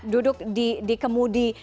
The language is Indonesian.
duduk di kemudi